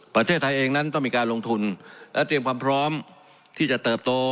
ประเทศไทยเองนั้นต้องมีการลงทุนและเตรียมความพร้อมที่จะเติบโต